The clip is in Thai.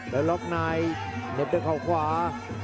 แล้วล็อกในเหน็บด้วยเขาขวา